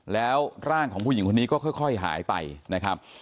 แล้วร่างของผู้หญิงคนนี้ก็ค่อยหายไปนะครับ